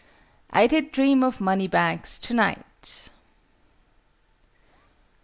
"I did dream of money bags to night."